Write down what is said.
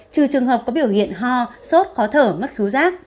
trừ trường hợp có biểu hiện ho sốt khó thở mất khứu rác